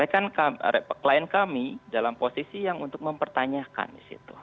client kami dalam posisi yang untuk mempertanyakan disitu